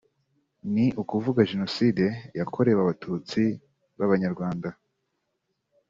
ni ukuvuga genocide yakorewe Abatutsi b’Abanyarwanda